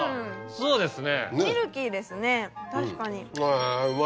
そうですね